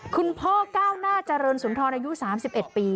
ก้าวหน้าเจริญสุนทรอายุ๓๑ปี